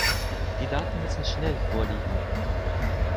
Die Daten müssen schnell vorliegen.